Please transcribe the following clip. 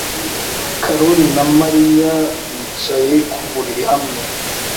Karoli na Mariya bicaye ku buriri hamwe.